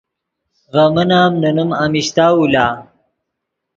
ڤے من ام نے نیم امیشتاؤ لا